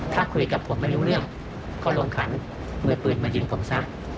ถ้าคุยกับผมไม่รู้เรื่องก็ลงขันมือปืนมายิงผมซะ